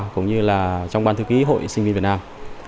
cũng như là trong ban thư ký hội sinh viên việt nam